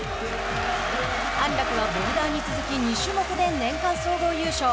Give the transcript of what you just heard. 安楽はボルダーに続き２種目で年間総合優勝。